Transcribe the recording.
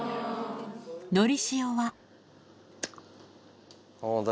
のりしおは。